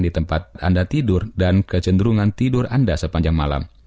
di tempat anda tidur dan kecenderungan tidur anda sepanjang malam